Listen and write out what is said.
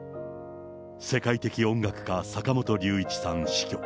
世界的音楽家、坂本龍一さん死去。